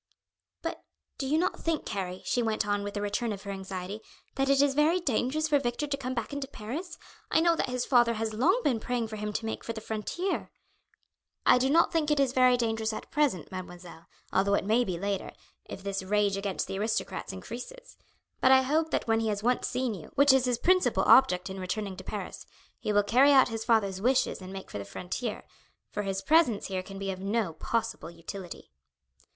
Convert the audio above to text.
"But do you not think, Harry," she went on with a return of her anxiety, "that it is very dangerous for Victor to come back into Paris? I know that his father has long been praying him to make for the frontier." "I do not think it is very dangerous at present, mademoiselle, although it may be later, if this rage against the aristocrats increases; but I hope that when he has once seen you, which is his principal object in returning to Paris, he will carry our his father's wishes and make for the frontier, for his presence here can be of no possible utility."